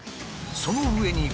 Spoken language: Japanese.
その上に。